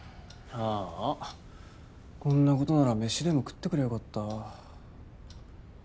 ああこんなことなら飯でも食ってくりゃよかった。